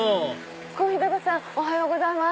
小日向さんおはようございます。